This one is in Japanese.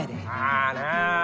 あなあ。